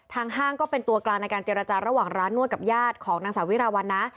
ห้างก็เป็นตัวกลางในการเจรจาระหว่างร้านนวดกับญาติของนางสาวิราวัลนะ